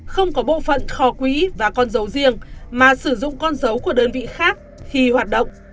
không có bộ phận kho quỹ và con dấu riêng mà sử dụng con dấu của đơn vị khác khi hoạt động